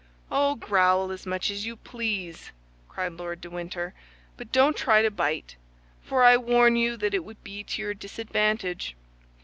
"Oh, growl as much as you please," cried Lord de Winter, "but don't try to bite, for I warn you that it would be to your disadvantage.